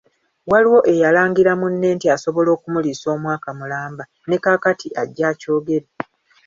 Waliwo eyalangira munne nti asobola okumuliisa omwaka mulamba ne kaakati ajje akyogere.